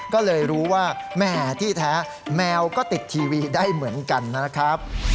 ก็เลยรู้ว่าแหมที่แท้แมวก็ติดทีวีได้เหมือนกันนะครับ